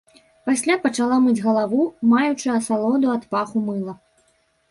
Пасля пачала мыць галаву, маючы асалоду ад паху мыла.